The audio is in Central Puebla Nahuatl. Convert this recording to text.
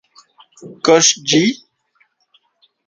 ¿Kox yi...?